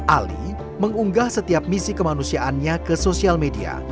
ali mengunggah setiap misi kemanusiaannya ke sosial media